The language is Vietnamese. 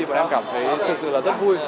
bọn em cảm thấy thực sự là rất vui